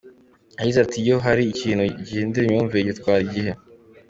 Yagize ati “Iyo hari ikintu cyo guhindura imyumvire bitwara igihe.